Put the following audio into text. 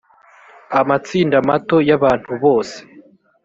amatsinda mato y abantu bose